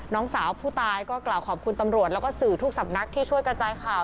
น้องสาวผู้ตายก็กล่าวขอบคุณตำรวจแล้วก็สื่อทุกสำนักที่ช่วยกระจายข่าว